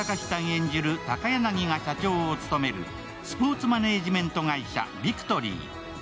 演じる高柳が社長を務めるスポーツマネジメント会社ビクトリー。